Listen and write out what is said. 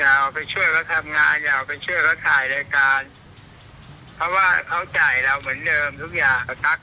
เอาไปช่วยเขาทำงานอย่าเอาไปช่วยเขาถ่ายรายการเพราะว่าเขาจ่ายเราเหมือนเดิมทุกอย่างเขาทัก